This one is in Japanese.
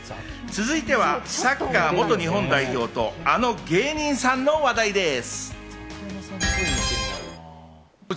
続いてはサッカー元日本代表とあの芸人さんの話題です。